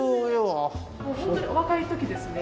もうホントにお若い時ですね。